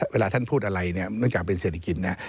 เวลาท่านพูดอะไรเนี่ยเนื่องจากเป็นเศรษฐกิจเนี่ย